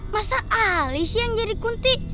masa ali sih yang jadi kunti